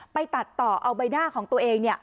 ไปตัดต่อเอาใบหน้าของตัวเอง